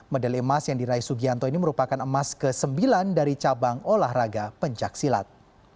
medali emas yang diraih sugianto ini merupakan emas ke sembilan dari cabang olahraga pencaksilat